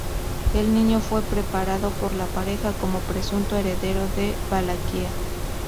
El niño fue preparado por la pareja como presunto heredero de Valaquia.